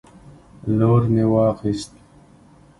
لور مې واخیست